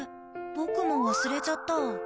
僕も忘れちゃった。